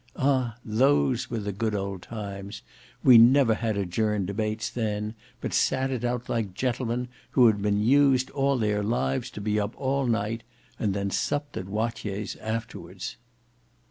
Ah! those were the good old times! We never had adjourned debates then; but sate it out like gentlemen who had been used all their lives to be up all night, and then supped at Watier's afterwards."